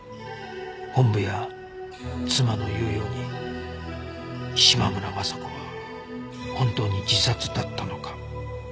本部や妻の言うように島村昌子は本当に自殺だったのか